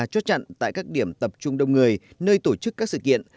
chốt chặn tại các điểm tập trung đông người nơi tổ chức các sự kiện